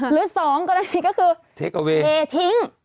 หรือ๒กรณีก็คือเทคโอเวทิ้ง